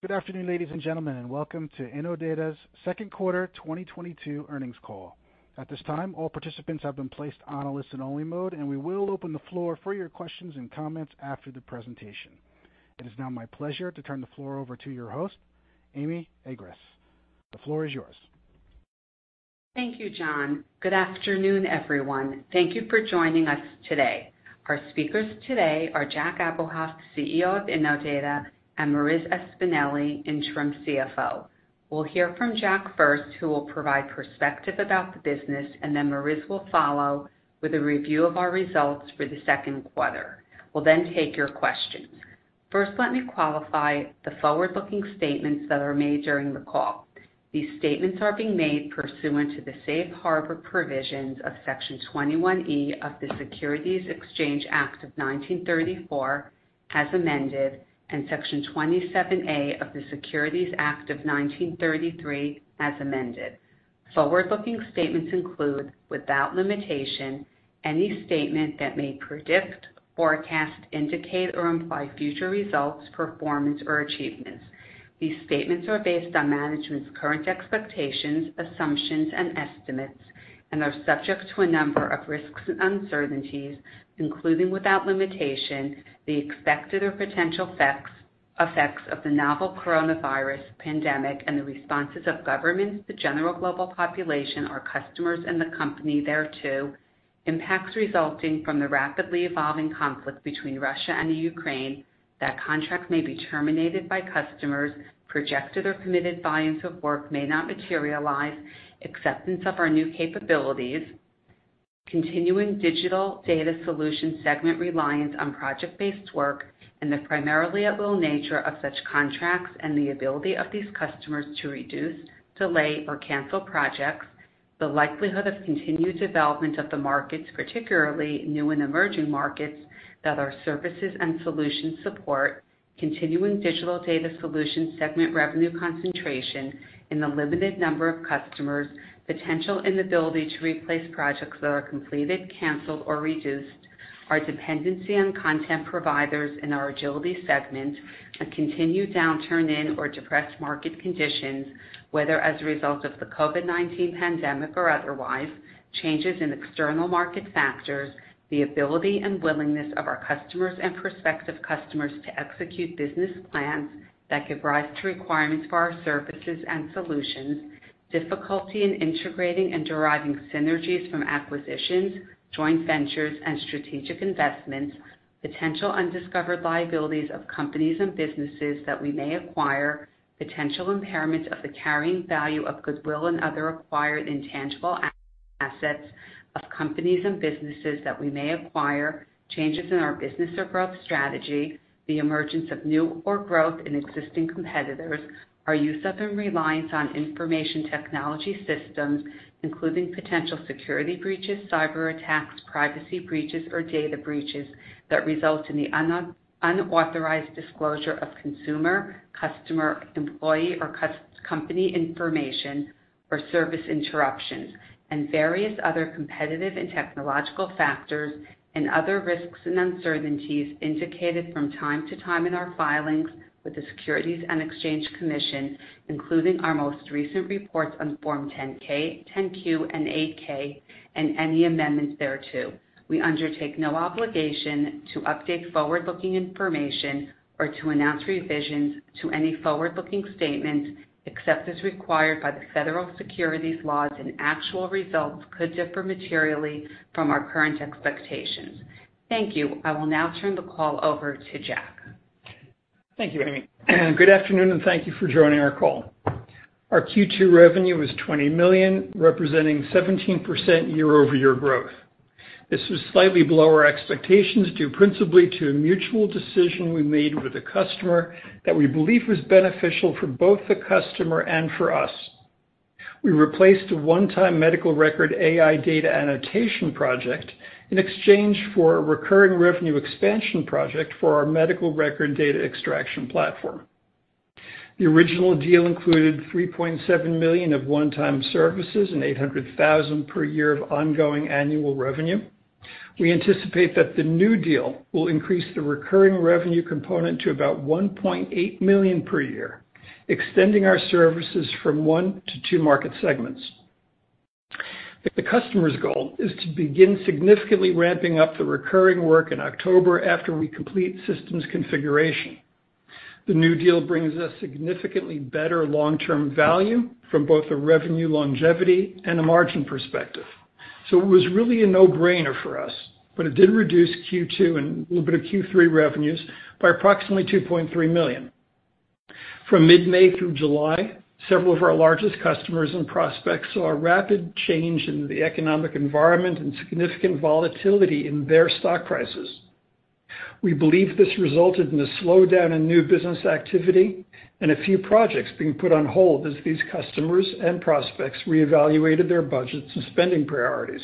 Good afternoon, ladies and gentlemen, and Welcome To Innodata's Second Quarter 2022 Earnings Call. At this time, all participants have been placed on a listen only mode, and we will open the floor for your questions and comments after the presentation. It is now my pleasure to turn the floor over to your host, Amy Agress. The floor is yours. Thank you, John. Good afternoon, everyone. Thank you for joining us today. Our speakers today are Jack Abuhoff, CEO of Innodata, and Marissa Espineli, Interim CFO. We'll hear from Jack first, who will provide perspective about the business, and then Marissa will follow with a review of our results for the second quarter. We'll then take your questions. First, let me qualify the forward-looking statements that are made during the call. These statements are being made pursuant to the safe harbor provisions of Section 21E of the Securities Exchange Act of 1934, as amended, and Section 27A of the Securities Act of 1933, as amended. Forward-looking statements include, without limitation, any statement that may predict, forecast, indicate, or imply future results, performance, or achievements. These statements are based on management's current expectations, assumptions, and estimates and are subject to a number of risks and uncertainties, including, without limitation, the expected or potential effects of the novel coronavirus pandemic and the responses of governments, the general global population, our customers and the company thereto, impacts resulting from the rapidly evolving conflict between Russia and the Ukraine, that contract may be terminated by customers, projected or committed volumes of work may not materialize, acceptance of our new capabilities, continuing digital data solutions segment reliance on project-based work and the primarily at-will nature of such contracts and the ability of these customers to reduce, delay, or cancel projects, the likelihood of continued development of the markets, particularly new and emerging markets that our services and solutions support, continuing digital data solutions segment revenue concentration in the limited number of customers, potential inability to replace projects that are completed, canceled, or reduced, our dependency on content providers in our agility segment, a continued downturn in or depressed market conditions, whether as a result of the COVID-19 pandemic or otherwise, changes in external market factors, the ability and willingness of our customers and prospective customers to execute business plans that give rise to requirements for our services and solutions, difficulty in integrating and deriving synergies from acquisitions, joint ventures and strategic investments, potential undiscovered liabilities of companies and businesses that we may acquire, potential impairments of the carrying value of goodwill and other acquired intangible assets of companies and businesses that we may acquire, changes in our business or growth strategy, the emergence of new or growth in existing competitors, our use of and reliance on information technology systems, including potential security breaches, cyber attacks, privacy breaches or data breaches that result in the unauthorized disclosure of consumer, customer, employee or customer or company information or service interruptions, and various other competitive and technological factors and other risks and uncertainties indicated from time to time in our filings with the Securities and Exchange Commission, including our most recent reports on Form 10-K, 10-Q and 8-K, and any amendments thereto. We undertake no obligation to update forward-looking information or to announce revisions to any forward-looking statements, except as required by the federal securities laws, and actual results could differ materially from our current expectations. Thank you. I will now turn the call over to Jack. Thank you, Amy. Good afternoon, and thank you for joining our call. Our Q2 revenue was $20 million, representing 17% year-over-year growth. This was slightly below our expectations, due principally to a mutual decision we made with a customer that we believe was beneficial for both the customer and for us. We replaced a one-time medical record AI data annotation project in exchange for a recurring revenue expansion project for our medical record data extraction platform. The original deal included $3.7 million of one-time services and $800,000 per year of ongoing annual revenue. We anticipate that the new deal will increase the recurring revenue component to about $1.8 million per year, extending our services from one to two market segments. The customer's goal is to begin significantly ramping up the recurring work in October after we complete systems configuration. The new deal brings us significantly better long-term value from both a revenue longevity and a margin perspective. It was really a no-brainer for us, but it did reduce Q2 and a little bit of Q3 revenues by approximately $2.3 million. From mid-May through July, several of our largest customers and prospects saw a rapid change in the economic environment and significant volatility in their stock prices. We believe this resulted in a slowdown in new business activity and a few projects being put on hold as these customers and prospects reevaluated their budgets and spending priorities.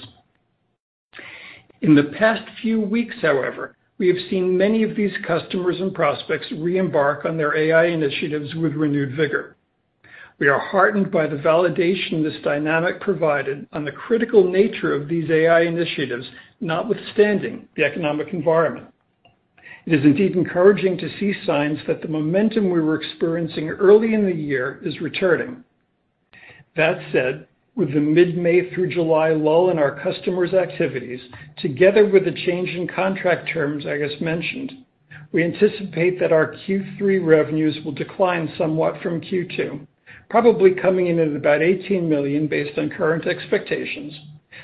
In the past few weeks, however, we have seen many of these customers and prospects re-embark on their AI initiatives with renewed vigor. We are heartened by the validation this dynamic provided on the critical nature of these AI initiatives, notwithstanding the economic environment. It is indeed encouraging to see signs that the momentum we were experiencing early in the year is returning. That said, with the mid-May through July lull in our customers' activities, together with the change in contract terms I just mentioned, we anticipate that our Q3 revenues will decline somewhat from Q2, probably coming in at about $18 million based on current expectations,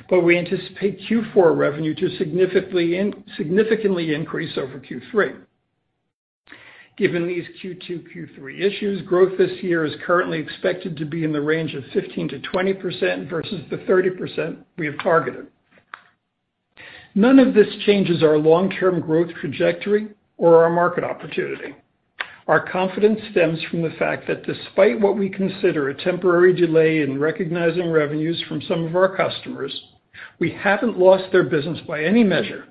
but we anticipate Q4 revenue to significantly increase over Q3. Given these Q2, Q3 issues, growth this year is currently expected to be in the range of 15%-20% versus the 30% we have targeted. None of this changes our long-term growth trajectory or our market opportunity. Our confidence stems from the fact that despite what we consider a temporary delay in recognizing revenues from some of our customers, we haven't lost their business by any measure,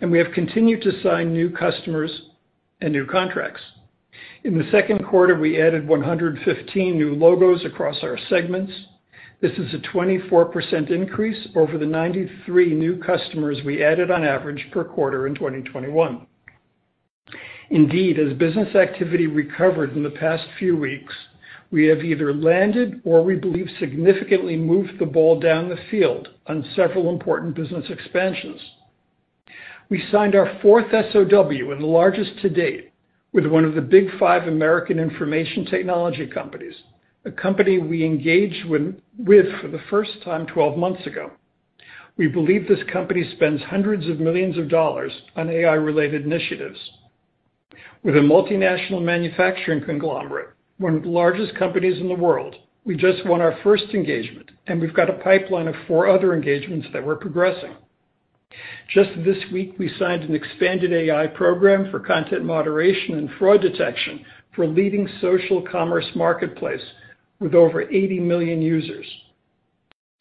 and we have continued to sign new customers and new contracts. In the second quarter, we added 115 new logos across our segments. This is a 24% increase over the 93 new customers we added on average per quarter in 2021. Indeed, as business activity recovered in the past few weeks, we have either landed or we believe significantly moved the ball down the field on several important business expansions. We signed our fourth SOW and the largest to date with one of the big five American information technology companies, a company we engaged with for the first time 12 months ago. We believe this company spends $hundreds of millions on AI-related initiatives. With a multinational manufacturing conglomerate, one of the largest companies in the world, we just won our first engagement, and we've got a pipeline of 4 other engagements that we're progressing. Just this week, we signed an expanded AI program for content moderation and fraud detection for a leading social commerce marketplace with over 80 million users.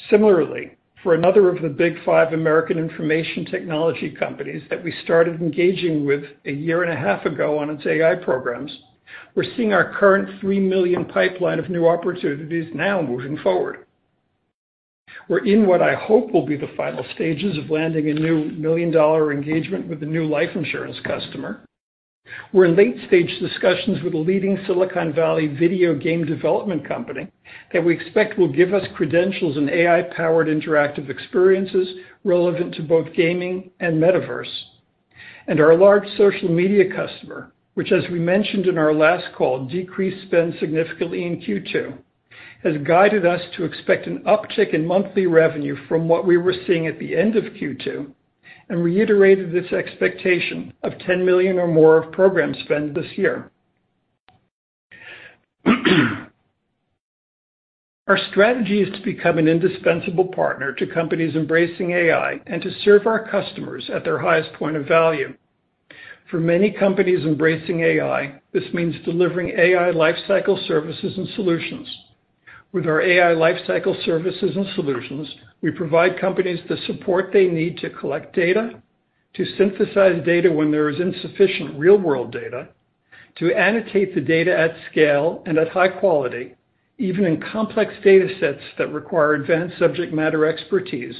Similarly, for another of the big five American information technology companies that we started engaging with a year and a half ago on its AI programs, we're seeing our current $3 million pipeline of new opportunities now moving forward. We're in what I hope will be the final stages of landing a new million-dollar engagement with a new life insurance customer. We're in late-stage discussions with a leading Silicon Valley video game development company that we expect will give us credentials in AI-powered interactive experiences relevant to both gaming and metaverse. Our large social media customer, which as we mentioned in our last call, decreased spend significantly in Q2, has guided us to expect an uptick in monthly revenue from what we were seeing at the end of Q2 and reiterated this expectation of $10 million or more of program spend this year. Our strategy is to become an indispensable partner to companies embracing AI and to serve our customers at their highest point of value. For many companies embracing AI, this means delivering AI lifecycle services and solutions. With our AI lifecycle services and solutions, we provide companies the support they need to collect data, to synthesize data when there is insufficient real-world data, to annotate the data at scale and at high quality, even in complex datasets that require advanced subject matter expertise,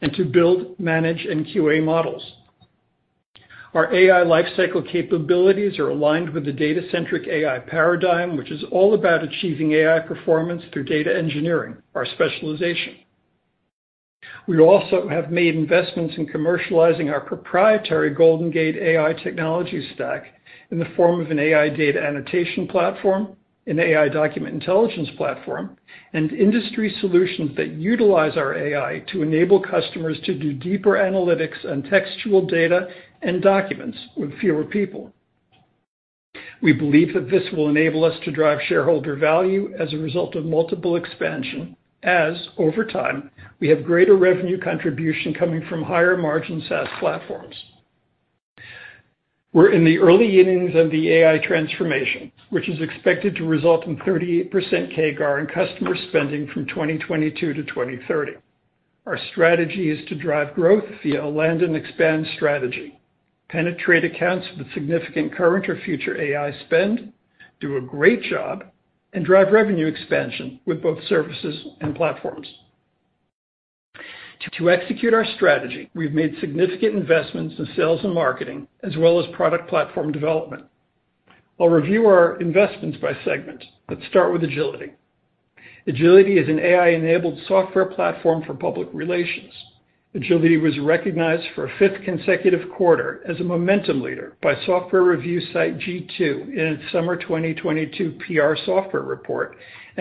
and to build, manage, and QA models. Our AI lifecycle capabilities are aligned with the data-centric AI paradigm, which is all about achieving AI performance through data engineering, our specialization. We also have made investments in commercializing our proprietary Golden Gate AI technology stack in the form of an AI data annotation platform, an AI document intelligence platform, and industry solutions that utilize our AI to enable customers to do deeper analytics on textual data and documents with fewer people. We believe that this will enable us to drive shareholder value as a result of multiple expansion as over time, we have greater revenue contribution coming from higher margin SaaS platforms. We're in the early innings of the AI transformation, which is expected to result in 38% CAGR in customer spending from 2022 to 2030. Our strategy is to drive growth via a land and expand strategy, penetrate accounts with significant current or future AI spend, do a great job, and drive revenue expansion with both services and platforms. To execute our strategy, we've made significant investments in sales and marketing as well as product platform development. I'll review our investments by segment. Let's start with Agility. Agility is an AI-enabled software platform for public relations. Agility was recognized for a fifth consecutive quarter as a momentum leader by software review site G2 in its summer 2022 PR software report.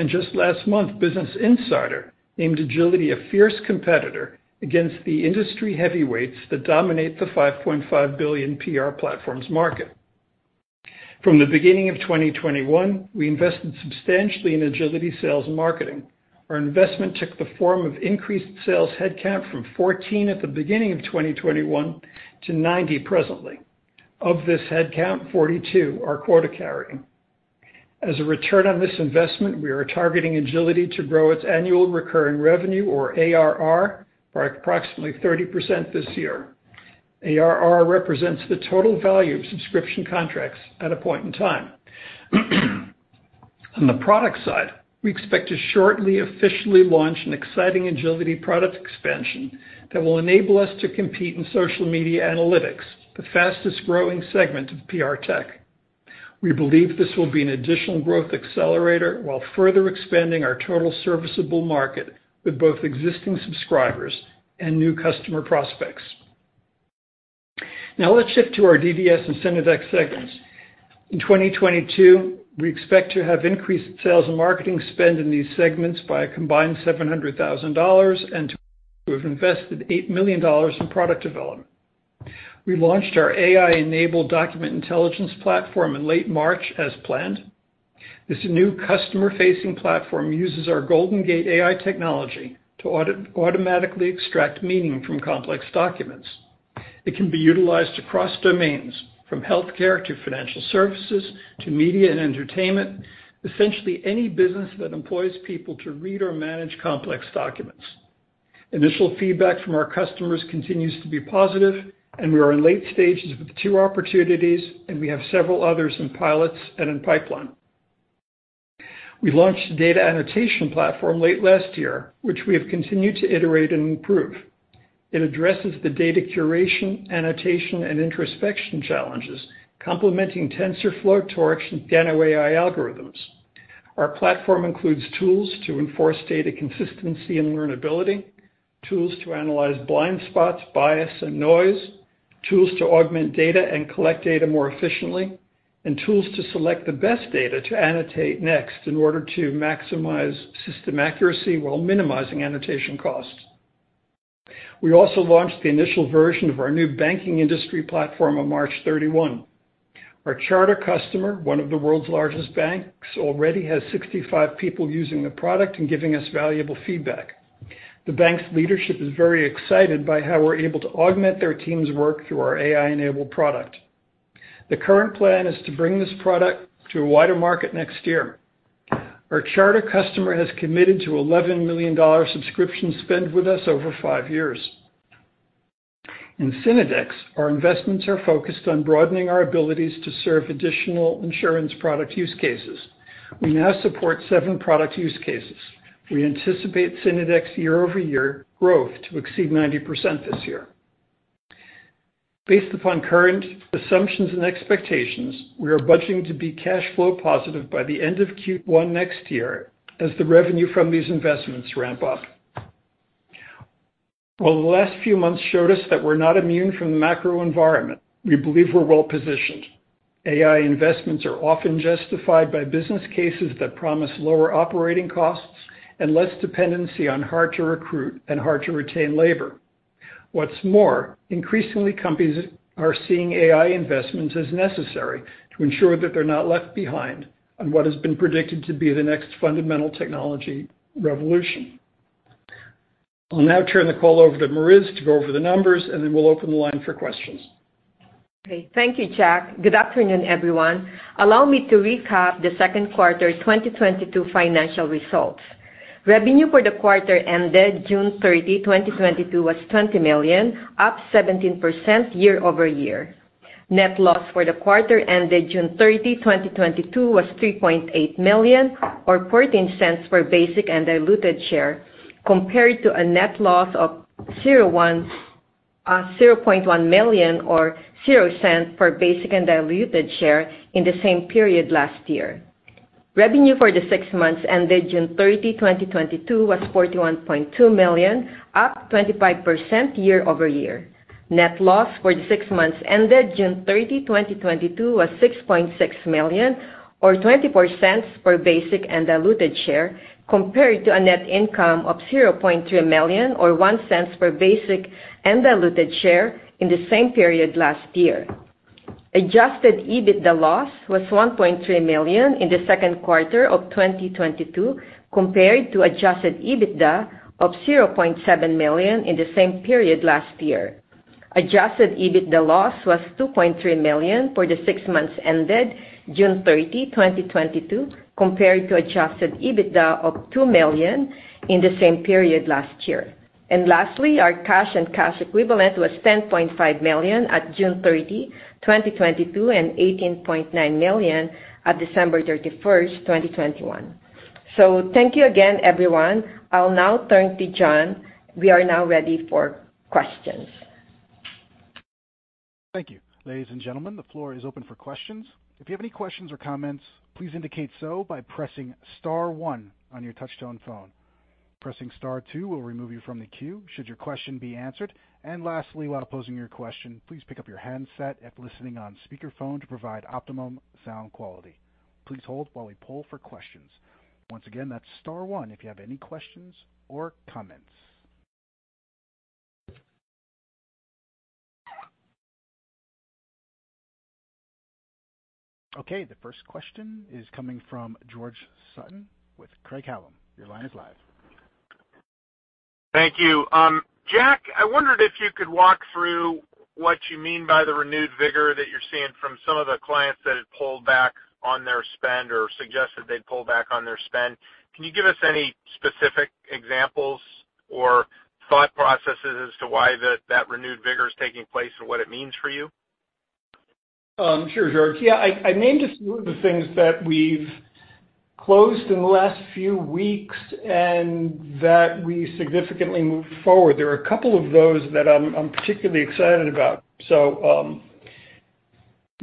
Just last month, Business Insider named Agility a fierce competitor against the industry heavyweights that dominate the $5.5 billion PR platforms market. From the beginning of 2021, we invested substantially in Agility sales and marketing. Our investment took the form of increased sales headcount from 14 at the beginning of 2021 to 90 presently. Of this headcount, 42 are quota-carrying. As a return on this investment, we are targeting Agility to grow its annual recurring revenue or ARR by approximately 30% this year. ARR represents the total value of subscription contracts at a point in time. On the product side, we expect to shortly officially launch an exciting Agility product expansion that will enable us to compete in social media analytics, the fastest-growing segment of PR tech. We believe this will be an additional growth accelerator while further expanding our total serviceable market with both existing subscribers and new customer prospects. Now let's shift to our DDS and Synodex segments. In 2022, we expect to have increased sales and marketing spend in these segments by a combined $700,000, and to have invested $8 million in product development. We launched our AI-enabled document intelligence platform in late March as planned. This new customer-facing platform uses our Golden Gate AI technology to automatically extract meaning from complex documents. It can be utilized across domains, from healthcare to financial services to media and entertainment, essentially any business that employs people to read or manage complex documents. Initial feedback from our customers continues to be positive, and we are in late stages with 2 opportunities, and we have several others in pilots and in pipeline. We launched the data annotation platform late last year, which we have continued to iterate and improve. It addresses the data curation, annotation, and introspection challenges, complementing TensorFlow, PyTorch, and GAN AI algorithms. Our platform includes tools to enforce data consistency and learnability, tools to analyze blind spots, bias, and noise, tools to augment data and collect data more efficiently, and tools to select the best data to annotate next in order to maximize system accuracy while minimizing annotation costs. We also launched the initial version of our new banking industry platform on March 31. Our charter customer, one of the world's largest banks, already has 65 people using the product and giving us valuable feedback. The bank's leadership is very excited by how we're able to augment their team's work through our AI-enabled product. The current plan is to bring this product to a wider market next year. Our charter customer has committed to $11 million subscription spend with us over 5 years. In Synodex, our investments are focused on broadening our abilities to serve additional insurance product use cases. We now support 7 product use cases. We anticipate Synodex year-over-year growth to exceed 90% this year. Based upon current assumptions and expectations, we are budgeting to be cash flow positive by the end of Q1 next year as the revenue from these investments ramp up. While the last few months showed us that we're not immune from the macro environment, we believe we're well positioned. AI investments are often justified by business cases that promise lower operating costs and less dependency on hard-to-recruit and hard-to-retain labor. What's more, increasingly, companies are seeing AI investments as necessary to ensure that they're not left behind on what has been predicted to be the next fundamental technology revolution. I'll now turn the call over to Marissa to go over the numbers, and then we'll open the line for questions. Okay. Thank you, Jack. Good afternoon, everyone. Allow me to recap the second quarter 2022 financial results. Revenue for the quarter ended June 30, 2022 was $20 million, up 17% year-over-year. Net loss for the quarter ended June 30, 2022 was $3.8 million or 14 cents per basic and diluted share, compared to a net loss of $0.1 million or zero cents per basic and diluted share in the same period last year. Revenue for the six months ended June 30, 2022 was $41.2 million, up 25% year-over-year. Net loss for the six months ended June 30, 2022 was $6.6 million or 20 cents per basic and diluted share, compared to a net income of $0.3 million or 1 cent per basic and diluted share in the same period last year. Adjusted EBITDA loss was $1.3 million in the second quarter of 2022 compared to adjusted EBITDA of $0.7 million in the same period last year. Adjusted EBITDA loss was $2.3 million for the six months ended June 30, 2022 compared to adjusted EBITDA of $2 million in the same period last year. Lastly, our cash and cash equivalents was $10.5 million at June 30, 2022 and $18.9 million at December 31, 2021. Thank you again, everyone. I'll now turn to John. We are now ready for questions. Thank you. Ladies and gentlemen, the floor is open for questions. If you have any questions or comments, please indicate so by pressing star one on your touchtone phone. Pressing star two will remove you from the queue should your question be answered. Lastly, while posing your question, please pick up your handset if listening on speakerphone to provide optimum sound quality. Please hold while we poll for questions. Once again, that's star one if you have any questions or comments. Okay. The first question is coming from George Sutton with Craig-Hallum. Your line is live. Thank you. Jack, I wondered if you could walk through what you mean by the renewed vigor that you're seeing from some of the clients that had pulled back on their spend or suggested they'd pull back on their spend. Can you give us any specific examples or thought processes as to why that renewed vigor is taking place and what it means for you? Sure, George. Yeah, I named a few of the things that we've closed in the last few weeks and that we significantly moved forward. There are a couple of those that I'm particularly excited about. You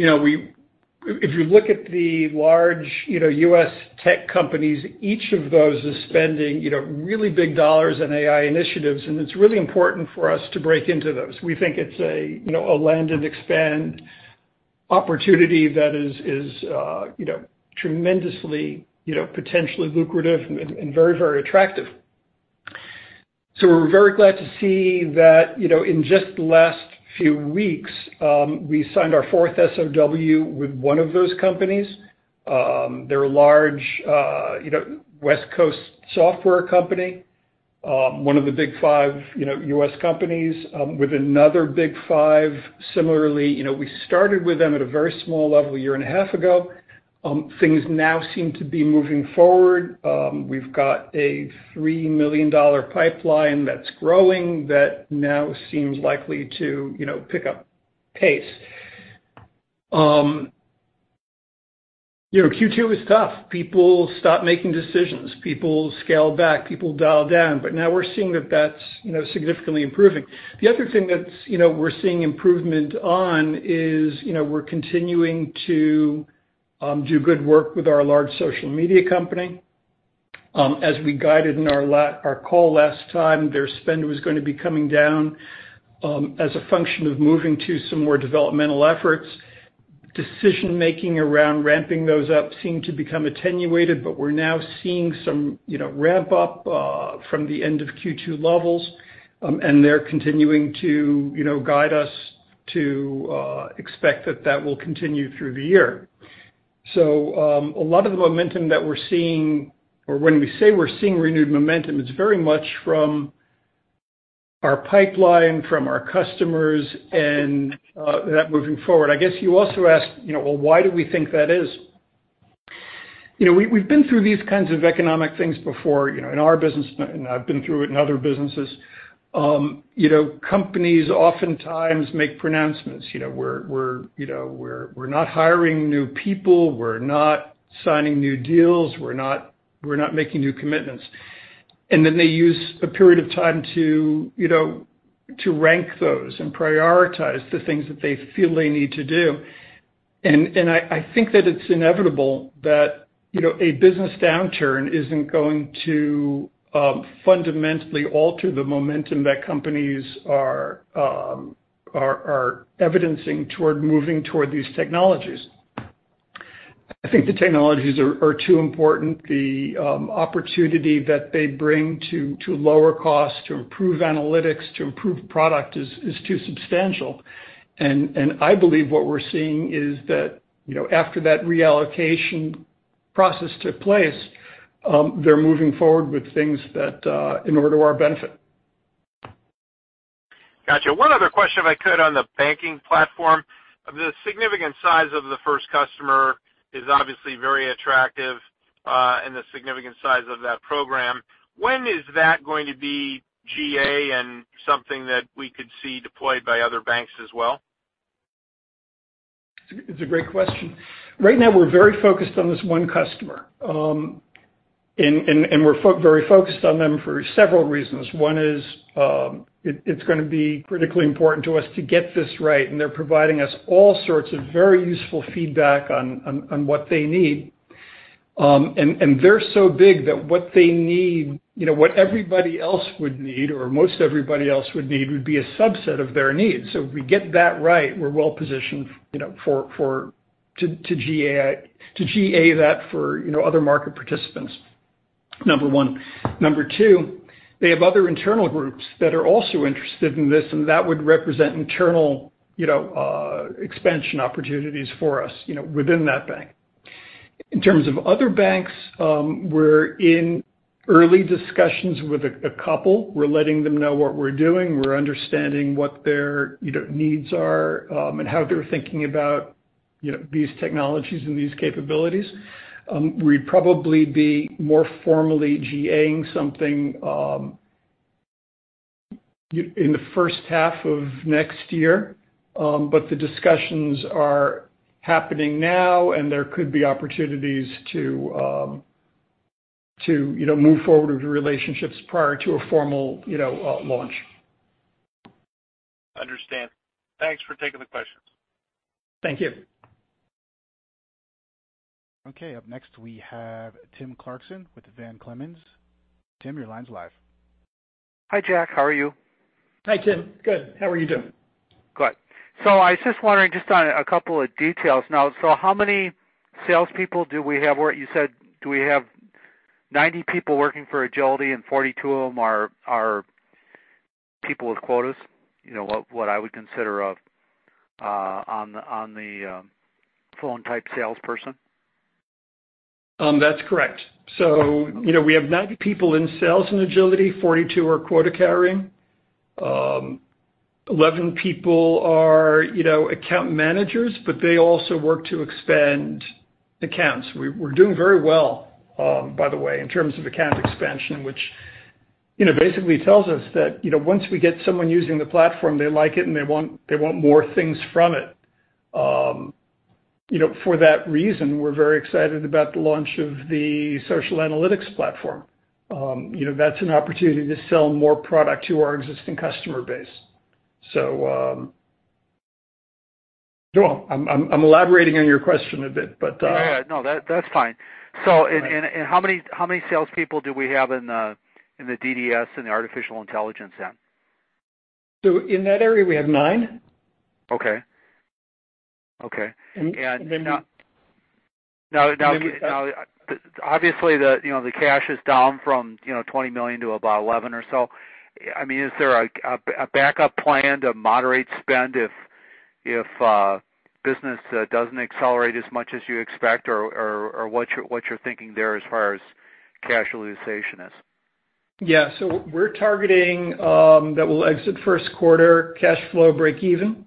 know, if you look at the large, you know, US tech companies, each of those is spending, you know, really big dollars on AI initiatives, and it's really important for us to break into those. We think it's a, you know, a land and expand opportunity that is tremendously, you know, potentially lucrative and very, very attractive. We're very glad to see that, you know, in just the last few weeks, we signed our fourth SOW with one of those companies. They're a large, you know, West Coast software company, one of the big five, you know, US companies, with another big five. Similarly, you know, we started with them at a very small level a year and a half ago. Things now seem to be moving forward. We've got a $3 million pipeline that's growing that now seems likely to, you know, pick up pace. You know, Q2 is tough. People stop making decisions. People scale back. People dial down. Now we're seeing that that's, you know, significantly improving. The other thing that's, you know, we're seeing improvement on is, you know, we're continuing to do good work with our large social media company. As we guided in our call last time, their spend was gonna be coming down, as a function of moving to some more developmental efforts. Decision-making around ramping those up seemed to become attenuated, but we're now seeing some, you know, ramp up from the end of Q2 levels, and they're continuing to, you know, guide us to expect that will continue through the year. A lot of the momentum that we're seeing, or when we say we're seeing renewed momentum, it's very much from our pipeline, from our customers, and that moving forward. I guess you also asked, you know, well, why do we think that is? You know, we've been through these kinds of economic things before, you know, in our business, and I've been through it in other businesses. You know, companies oftentimes make pronouncements. You know, we're not hiring new people. We're not signing new deals. We're not making new commitments. Then they use a period of time to, you know, to rank those and prioritize the things that they feel they need to do. I think that it's inevitable that, you know, a business downturn isn't going to fundamentally alter the momentum that companies are evidencing toward moving toward these technologies. I think the technologies are too important. The opportunity that they bring to lower cost, to improve analytics, to improve product is too substantial. I believe what we're seeing is that, you know, after that reallocation process took place, they're moving forward with things that in order to our benefit. Gotcha. One other question, if I could, on the banking platform. The significant size of the first customer is obviously very attractive, and the significant size of that program. When is that going to be GA and something that we could see deployed by other banks as well? It's a great question. Right now, we're very focused on this one customer. We're very focused on them for several reasons. One is, it's gonna be critically important to us to get this right, and they're providing us all sorts of very useful feedback on what they need. They're so big that what they need, you know, what everybody else would need, or most everybody else would need, would be a subset of their needs. So if we get that right, we're well positioned, you know, to GA that for other market participants, number one. Number two, they have other internal groups that are also interested in this, and that would represent internal, you know, expansion opportunities for us, you know, within that bank. In terms of other banks, we're in early discussions with a couple. We're letting them know what we're doing. We're understanding what their you know needs are and how they're thinking about you know these technologies and these capabilities. We'd probably be more formally GA-ing something in the first half of next year, but the discussions are happening now, and there could be opportunities to you know move forward with relationships prior to a formal you know launch. Understand. Thanks for taking the questions. Thank you. Okay. Up next, we have Tim Clarkson with Van Clemens & Co., Inc. Tim, your line's live. Hi, Jack. How are you? Hi, Tim. Good. How are you doing? Good. I was just wondering just on a couple of details. Now, how many salespeople do we have? What you said, do we have 90 people working for Agility, and 42 of them are people with quotas? You know, what I would consider a on the phone-type salesperson. That's correct. You know, we have 90 people in sales in Agility. 42 are quota-carrying. 11 people are, you know, account managers, but they also work to expand accounts. We're doing very well, by the way, in terms of account expansion, which you know, basically tells us that, you know, once we get someone using the platform, they like it, and they want more things from it. You know, for that reason, we're very excited about the launch of the social analytics platform. You know, that's an opportunity to sell more product to our existing customer base. Well, I'm elaborating on your question a bit, but. Yeah. No, that's fine. All right. How many salespeople do we have in the DDS and the artificial intelligence end? In that area, we have nine. Okay. Okay. And then- Now, obviously, you know, the cash is down from, you know, $20 million to about $11 million or so. I mean, is there a backup plan to moderate spend if business doesn't accelerate as much as you expect, or what you're thinking there as far as cash realization is? Yeah. We're targeting that we'll exit first quarter cash flow break even.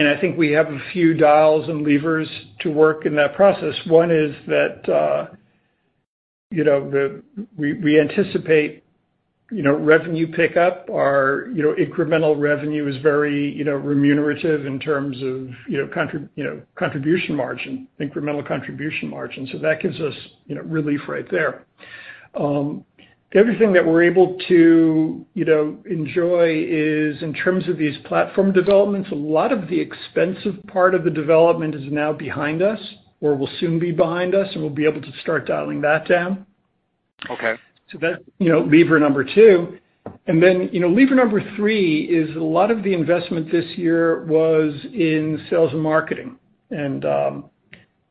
I think we have a few dials and levers to work in that process. One is that you know we anticipate revenue pickup. Our incremental revenue is very remunerative in terms of contribution margin, incremental contribution margin, so that gives us relief right there. Everything that we're able to enjoy is in terms of these platform developments, a lot of the expensive part of the development is now behind us or will soon be behind us, and we'll be able to start dialing that down. Okay. That's, you know, lever number two. Then, you know, lever number three is a lot of the investment this year was in sales and marketing.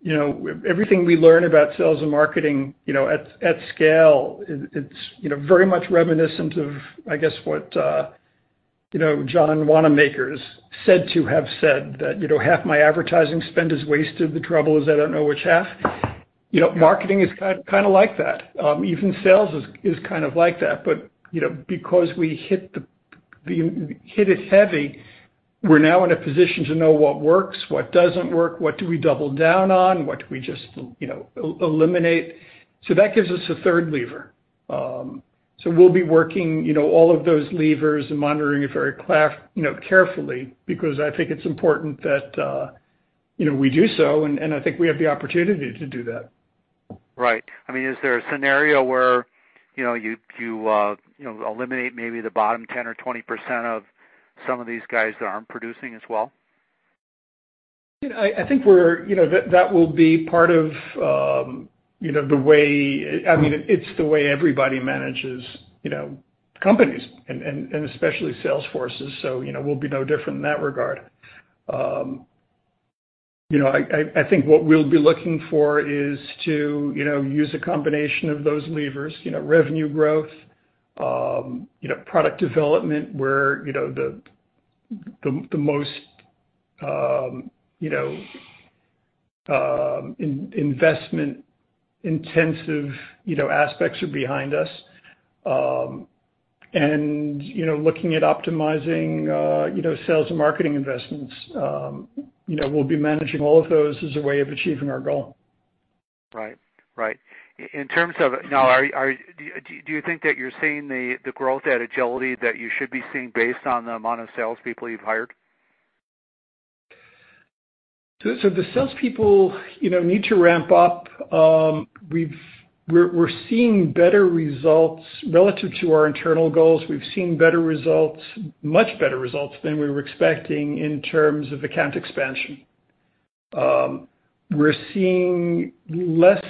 You know, everything we learn about sales and marketing, you know, at scale, it's, you know, very much reminiscent of, I guess, what, you know, John Wanamaker's said to have said that, you know, "Half my advertising spend is wasted. The trouble is I don't know which half." You know, marketing is kinda like that. Even sales is kind of like that. You know, because we hit it heavy, we're now in a position to know what works, what doesn't work, what do we double down on, what do we just, you know, eliminate. That gives us a third lever. We'll be working, you know, all of those levers and monitoring it very carefully because I think it's important that, you know, we do so, and I think we have the opportunity to do that. Right. I mean, is there a scenario where, you know, you know, eliminate maybe the bottom 10% or 20% of some of these guys that aren't producing as well? You know, I think that will be part of the way. I mean, it's the way everybody manages companies and especially sales forces. We'll be no different in that regard. You know, I think what we'll be looking for is to use a combination of those levers, you know, revenue growth, product development where the most investment intensive aspects are behind us. And you know, looking at optimizing sales and marketing investments, we'll be managing all of those as a way of achieving our goal. Right. In terms of now, do you think that you're seeing the growth at Agility that you should be seeing based on the amount of salespeople you've hired? The salespeople, you know, need to ramp up. We're seeing better results relative to our internal goals. We've seen better results, much better results than we were expecting in terms of account expansion. We're seeing less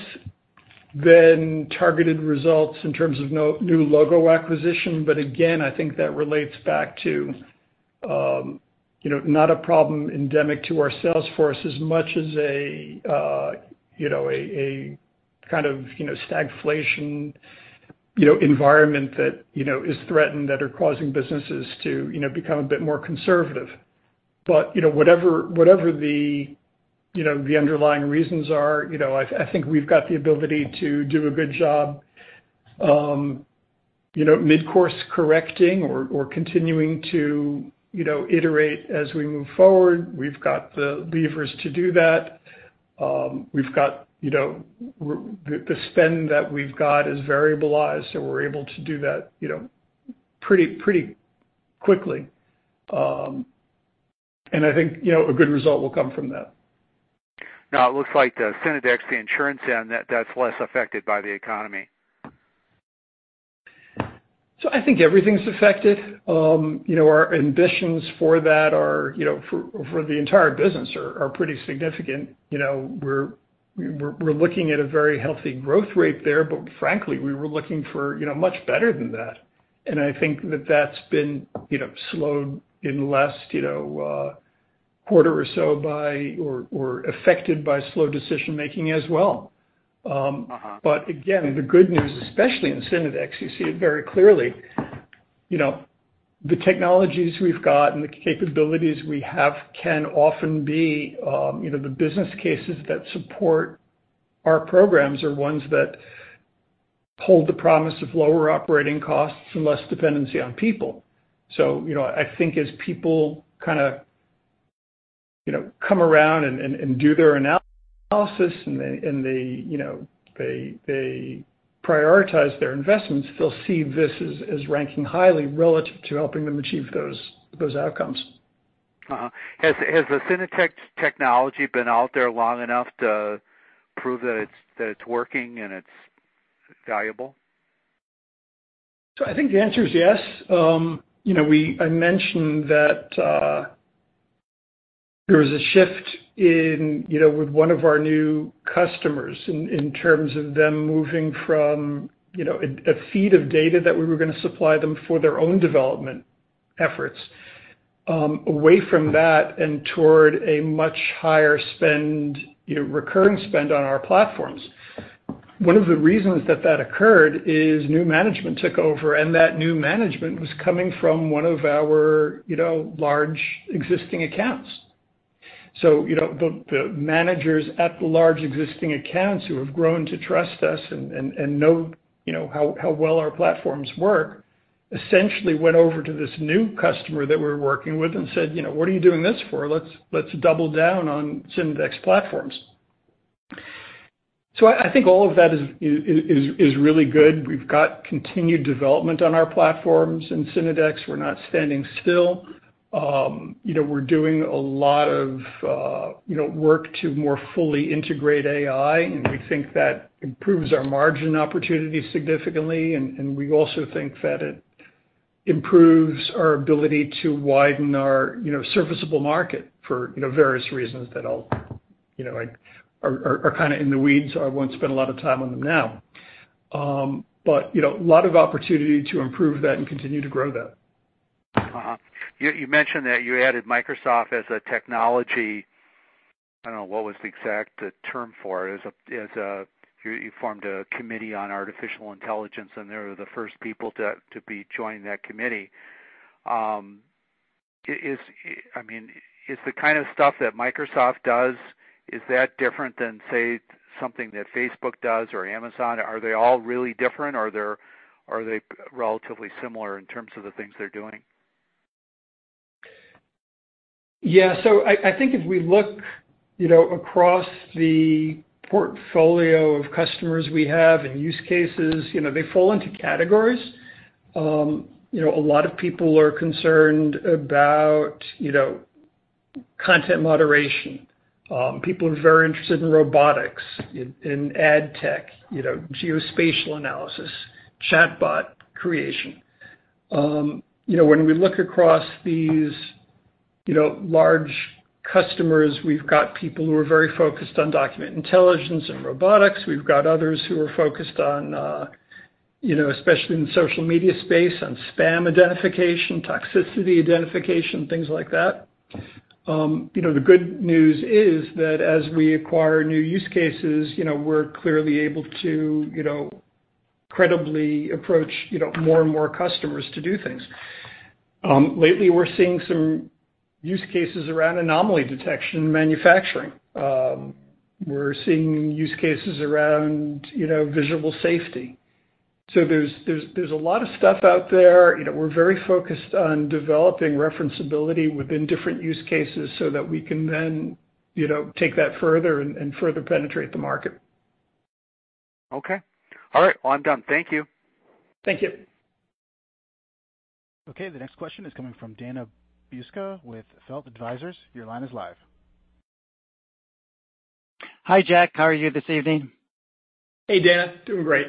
than targeted results in terms of no-new logo acquisition, but again, I think that relates back to, you know, not a problem endemic to our sales force as much as a kind of stagflation environment that's causing businesses to, you know, become a bit more conservative. You know, whatever the underlying reasons are, you know, I think we've got the ability to do a good job, you know, mid-course correcting or continuing to, you know, iterate as we move forward. We've got the levers to do that. We've got, you know, the spend that we've got is variabilized, so we're able to do that, you know, pretty quickly. I think, you know, a good result will come from that. Now it looks like the Synodex, the insurance end, that's less affected by the economy. I think everything's affected. You know, our ambitions for that are, you know, for the entire business are pretty significant. You know, we're looking at a very healthy growth rate there, but frankly, we were looking for, you know, much better than that. I think that's been, you know, slowed in the last, you know, quarter or so affected by slow decision-making as well. The good news, especially in Synodex, you see it very clearly, you know, the technologies we've got and the capabilities we have can often be, you know, the business cases that support our programs are ones that hold the promise of lower operating costs and less dependency on people. I think as people you know come around and do their analysis and they you know they prioritize their investments, they'll see this as ranking highly relative to helping them achieve those outcomes. Has the Synodex technology been out there long enough to prove that it's working and it's valuable? I think the answer is yes. You know, I mentioned that there was a shift in, you know, with one of our new customers in terms of them moving from, you know, a feed of data that we were gonna supply them for their own development efforts, away from that and toward a much higher spend, you know, recurring spend on our platforms. One of the reasons that occurred is new management took over, and that new management was coming from one of our, you know, large existing accounts. You know, the managers at the large existing accounts who have grown to trust us and know, you know, how well our platforms work, essentially went over to this new customer that we're working with and said, "You know, what are you doing this for? Let's double down on Synodex platforms." So I think all of that is really good. We've got continued development on our platforms in Synodex. We're not standing still. We're doing a lot of work to more fully integrate AI, and we think that improves our margin opportunity significantly. We also think that it improves our ability to widen our serviceable market for various reasons that are kinda in the weeds. I won't spend a lot of time on them now. A lot of opportunity to improve that and continue to grow that. You mentioned that you added Microsoft as a technology. I don't know what was the exact term for it. You formed a committee on artificial intelligence, and they were the first people to be joining that committee. I mean, is the kind of stuff that Microsoft does, is that different than, say, something that Facebook does or Amazon? Are they all really different or are they relatively similar in terms of the things they're doing? Yeah. I think if we look, you know, across the portfolio of customers we have and use cases, you know, they fall into categories. A lot of people are concerned about, you know, content moderation. People are very interested in robotics, in ad tech, you know, geospatial analysis, chatbot creation. When we look across these, you know, large customers, we've got people who are very focused on document intelligence and robotics. We've got others who are focused on, you know, especially in the social media space, on spam identification, toxicity identification, things like that. The good news is that as we acquire new use cases, you know, we're clearly able to, you know, credibly approach, you know, more and more customers to do things. Lately we're seeing some use cases around anomaly detection in manufacturing. We're seeing use cases around, you know, visual safety. There's a lot of stuff out there. You know, we're very focused on developing referenceability within different use cases so that we can then, you know, take that further and further penetrate the market. Okay. All right. Well, I'm done. Thank you. Thank you. Okay. The next question is coming from Dan Feltz with Feltl Advisors. Your line is live. Hi, Jack. How are you this evening? Hey, Dan. Doing great.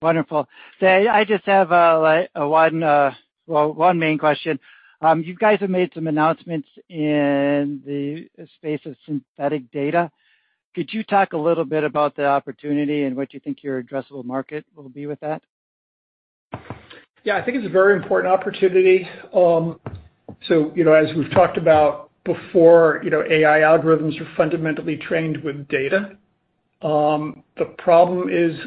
Wonderful. I just have like one main question. You guys have made some announcements in the space of synthetic data. Could you talk a little bit about the opportunity and what you think your addressable market will be with that? Yeah. I think it's a very important opportunity. You know, as we've talked about before, you know, AI algorithms are fundamentally trained with data. The problem is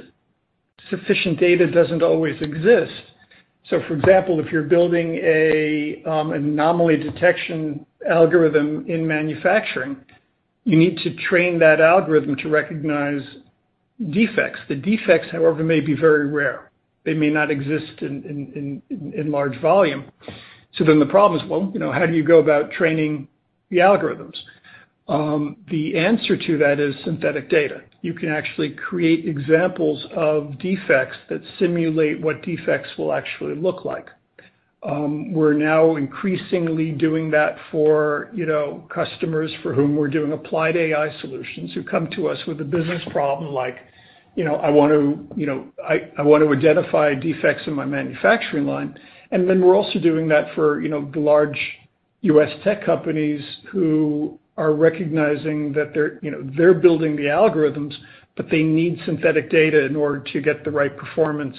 sufficient data doesn't always exist. For example, if you're building a anomaly detection algorithm in manufacturing, you need to train that algorithm to recognize defects. The defects, however, may be very rare. They may not exist in large volume. The problem is, well, you know, how do you go about training the algorithms? The answer to that is synthetic data. You can actually create examples of defects that simulate what defects will actually look like. We're now increasingly doing that for, you know, customers for whom we're doing applied AI solutions, who come to us with a business problem like, you know, I want to identify defects in my manufacturing line. We're also doing that for, you know, the large US tech companies who are recognizing that they're, you know, they're building the algorithms, but they need synthetic data in order to get the right performance,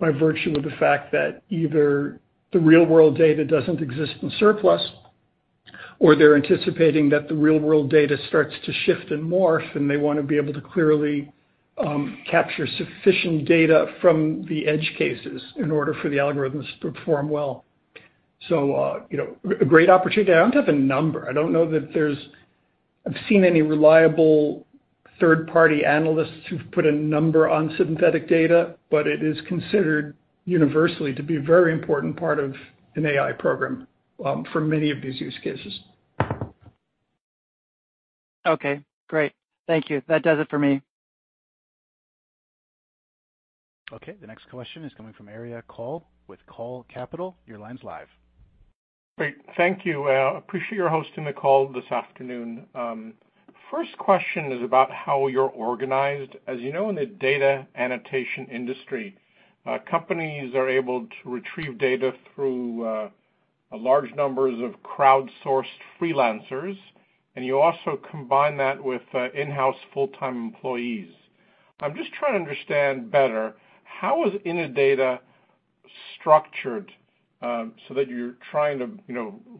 by virtue of the fact that either the real-world data doesn't exist in surplus, or they're anticipating that the real-world data starts to shift and morph, and they wanna be able to clearly capture sufficient data from the edge cases in order for the algorithms to perform well. You know, a great opportunity. I don't have a number.I don't know that I've seen any reliable third-party analysts who've put a number on synthetic data, but it is considered universally to be a very important part of an AI program for many of these use cases. Okay, great. Thank you. That does it for me. Okay. The next question is coming from Aria Cole with Cole Capital. Your line's live. Great. Thank you. Appreciate your hosting the call this afternoon. First question is about how you're organized. As you know, in the data annotation industry, companies are able to retrieve data through a large number of crowdsourced freelancers, and you also combine that with in-house full-time employees. I'm just trying to understand better, how is Innodata structured, so that you're trying to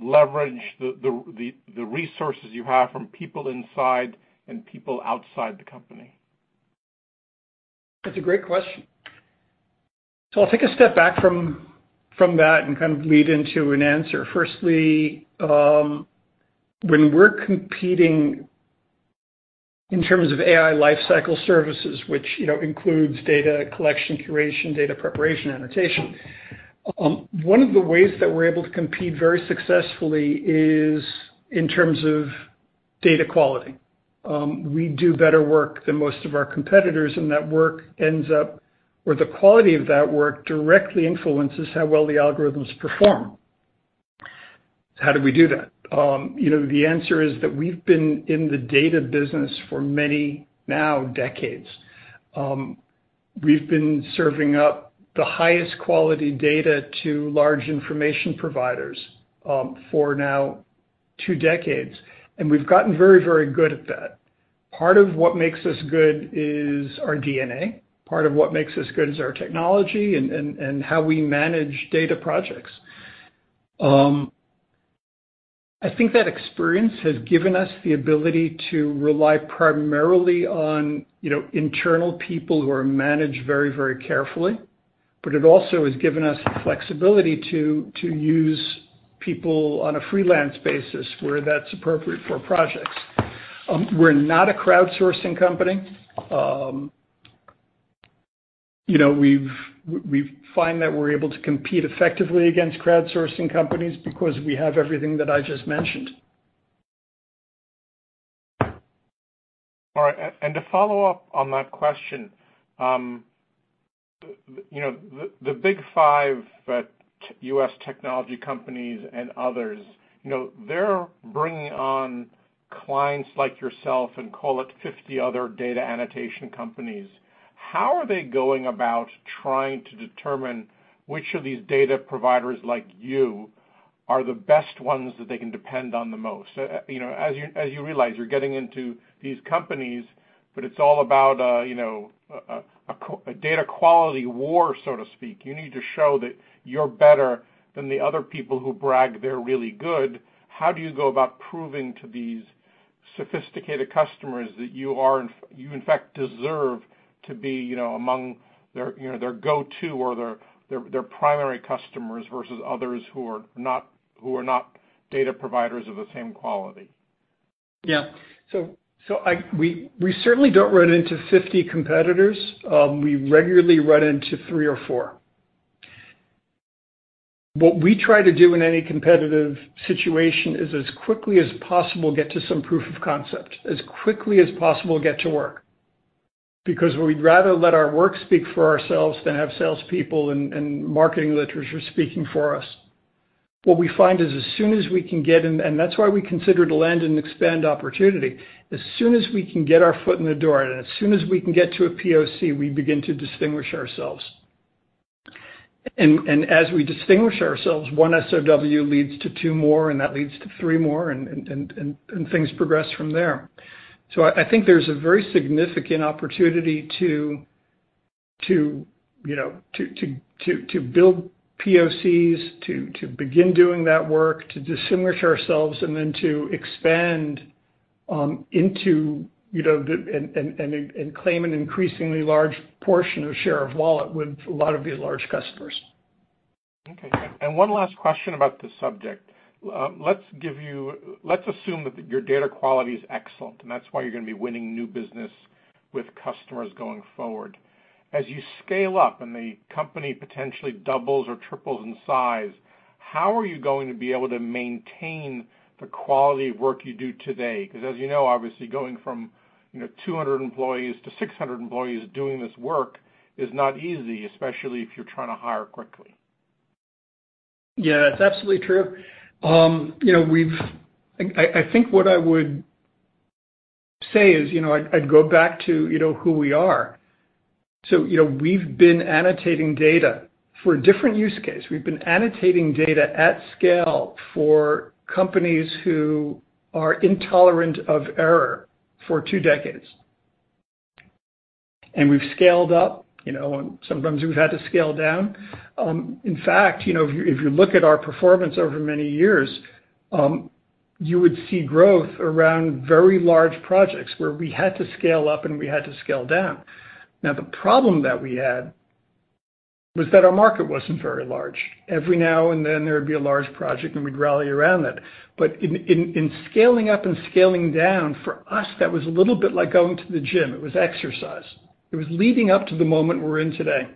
leverage the resources you have from people inside and people outside the company? That's a great question. I'll take a step back from that and kind of lead into an answer. Firstly, when we're competing in terms of AI life cycle services, which, you know, includes data collection, curation, data preparation, annotation, one of the ways that we're able to compete very successfully is in terms of data quality. We do better work than most of our competitors, and that work ends up, or the quality of that work directly influences how well the algorithms perform. How do we do that? You know, the answer is that we've been in the data business for many now decades. We've been serving up the highest quality data to large information providers, for now two decades, and we've gotten very, very good at that. Part of what makes us good is our DNA, part of what makes us good is our technology and how we manage data projects. I think that experience has given us the ability to rely primarily on, you know, internal people who are managed very, very carefully, but it also has given us the flexibility to use people on a freelance basis where that's appropriate for projects. We're not a crowdsourcing company. You know, we find that we're able to compete effectively against crowdsourcing companies because we have everything that I just mentioned. All right. To follow up on that question, you know, the Big Five US technology companies and others, you know, they're bringing on clients like yourself and call it 50 other data annotation companies. How are they going about trying to determine which of these data providers like you are the best ones that they can depend on the most? You know, as you realize, you're getting into these companies, but it's all about, you know, a data quality war, so to speak. You need to show that you're better than the other people who brag they're really good. How do you go about proving to these sophisticated customers that you, in fact, deserve to be, you know, among their, you know, their go-to or their primary customers versus others who are not data providers of the same quality? Yeah. We certainly don't run into 50 competitors. We regularly run into three or four. What we try to do in any competitive situation is, as quickly as possible, get to some proof of concept. As quickly as possible, get to work. Because we'd rather let our work speak for ourselves than have salespeople and marketing literature speaking for us. What we find is as soon as we can get in. That's why we consider it a land and expand opportunity. As soon as we can get our foot in the door, and as soon as we can get to a POC, we begin to distinguish ourselves. As we distinguish ourselves, one SOW leads to two more, and that leads to three more, and things progress from there. I think there's a very significant opportunity to you know build POCs, to begin doing that work, to distinguish ourselves and then to expand, and claim an increasingly large portion of share of wallet with a lot of these large customers. Okay. One last question about this subject. Let's assume that your data quality is excellent, and that's why you're gonna be winning new business with customers going forward. As you scale up and the company potentially doubles or triples in size, how are you going to be able to maintain the quality of work you do today? Because as you know, obviously, going from, you know, 200 employees to 600 employees doing this work is not easy, especially if you're trying to hire quickly. Yeah, that's absolutely true. You know, I think what I would say is, you know, I'd go back to, you know, who we are. You know, we've been annotating data for a different use case. We've been annotating data at scale for companies who are intolerant of error for two decades. We've scaled up, you know, and sometimes we've had to scale down. In fact, you know, if you look at our performance over many years, you would see growth around very large projects where we had to scale up and we had to scale down. Now, the problem that we had was that our market wasn't very large. Every now and then, there would be a large project, and we'd rally around it. In scaling up and scaling down, for us, that was a little bit like going to the gym. It was exercise. It was leading up to the moment we're in today.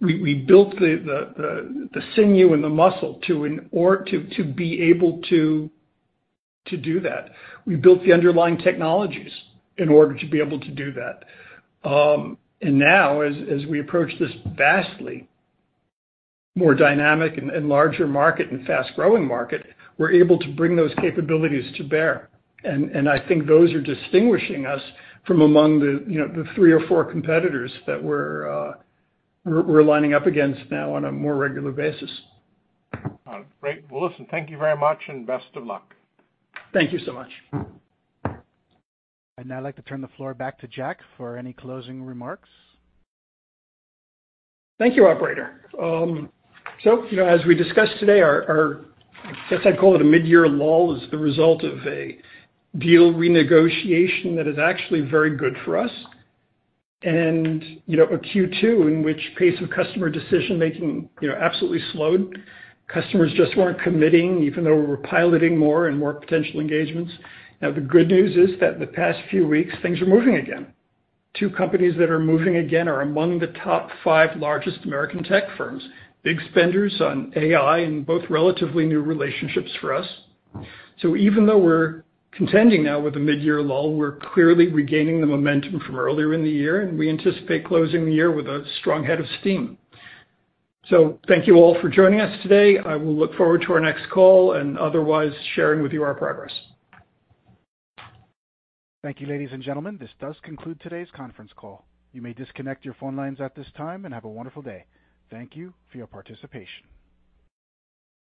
We built the sinew and the muscle to be able to do that. We built the underlying technologies in order to be able to do that. Now as we approach this vastly more dynamic and larger market and fast-growing market, we're able to bring those capabilities to bear. I think those are distinguishing us from among the, you know, the three or four competitors that we're lining up against now on a more regular basis. All right. Well, listen, thank you very much and best of luck. Thank you so much. I'd now like to turn the floor back to Jack for any closing remarks. Thank you, operator. So, you know, as we discussed today, our I guess I'd call it a mid-year lull is the result of a deal renegotiation that is actually very good for us. You know, a Q2 in which pace of customer decision-making, you know, absolutely slowed. Customers just weren't committing, even though we were piloting more and more potential engagements. Now, the good news is that in the past few weeks, things are moving again. Two companies that are moving again are among the top five largest American tech firms, big spenders on AI and both relatively new relationships for us. Even though we're contending now with a mid-year lull, we're clearly regaining the momentum from earlier in the year, and we anticipate closing the year with a strong head of steam. Thank you all for joining us today. I will look forward to our next call and otherwise sharing with you our progress. Thank you, ladies and gentlemen. This does conclude today's conference call. You may disconnect your phone lines at this time and have a wonderful day. Thank you for your participation.